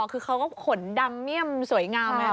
คือเขาก็ขนดำเงียบสวยงามแล้วนะ